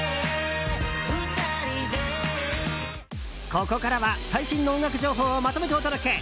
ここからは最新の音楽情報をまとめてお届け。